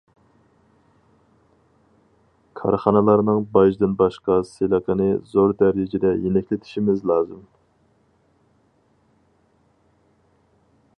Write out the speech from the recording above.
كارخانىلارنىڭ باجدىن باشقا سېلىقىنى زور دەرىجىدە يېنىكلىتىشىمىز لازىم.